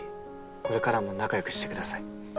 これからも仲良くしてください。